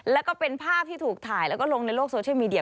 แล้วก็เป็นภาพที่ถูกถ่ายแล้วก็ลงในโลกโซเชียลมีเดีย